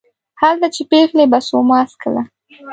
هلته چې پېغلې به سوما څکله